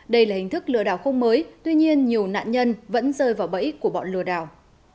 đây là hình thức lừa đảo không mới tuy nhiên nhiều nạn nhân vẫn rơi vào bẫy của bọn lừa đảo